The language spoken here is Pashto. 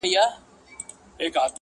• خو ځول یې په قفس کي وزرونه -